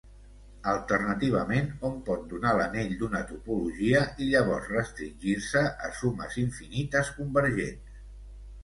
Alternativament, hom pot dotar l'anell d'una topologia, i llavors restringir-se a sumes infinites convergents.